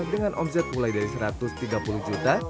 dengan omset mulai dari satu ratus tiga puluh juta